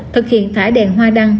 thực hiện thải đèn hoa đăng